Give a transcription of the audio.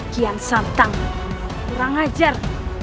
kian santang kurang ajar